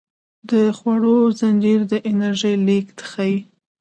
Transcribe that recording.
د خوړو زنځیر د انرژۍ لیږد ښيي